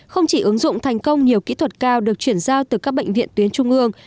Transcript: không chỉ ứng dụng thành công nhiều kỹ thuật cao được chuyển giao từ các bệnh viện tuyến trung ương